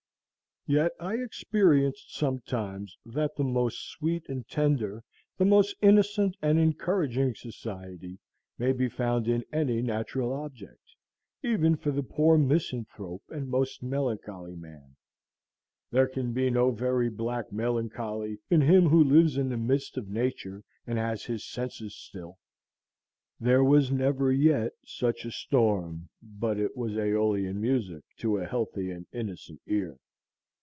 Yet I experienced sometimes that the most sweet and tender, the most innocent and encouraging society may be found in any natural object, even for the poor misanthrope and most melancholy man. There can be no very black melancholy to him who lives in the midst of Nature and has his senses still. There was never yet such a storm but it was Æolian music to a healthy and innocent ear.